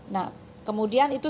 nah kemudian itu